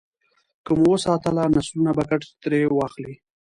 که مو وساتله، نسلونه به ګټه ترې واخلي.